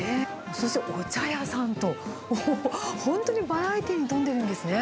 そしてお茶屋さんと、おー、本当にバラエティーに富んでるんですね。